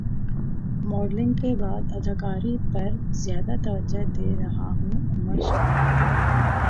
modelling کے بعد اداکاری پر زیادہ توجہ دے رہا ہوں عمر شہزاد